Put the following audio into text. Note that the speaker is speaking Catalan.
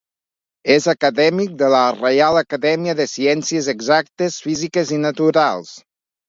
És acadèmic de la Reial Acadèmia de Ciències Exactes, Físiques i Naturals.